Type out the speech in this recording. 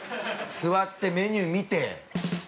座ってメニュー見て。